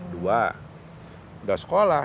dua sudah sekolah